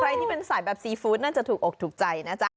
ที่เป็นสายแบบซีฟู้ดน่าจะถูกอกถูกใจนะจ๊ะ